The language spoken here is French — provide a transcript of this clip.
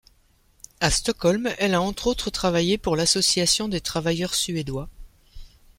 À Stockholm, elle a entre autres travaillé pour l'Association des travailleurs suédois.